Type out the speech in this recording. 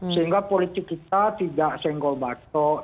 sehingga politik kita tidak senggol batok